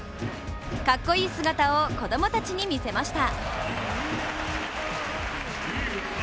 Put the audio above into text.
かっこいい姿を子供たちに見せました。